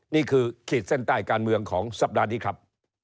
ขีดเส้นใต้การเมืองของสัปดาห์นี้ครับ